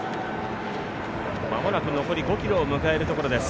まもなく残り５ｋｍを迎えるところです。